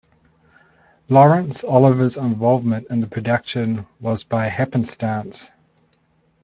Laurence Olivier's involvement in the production was by happenstance.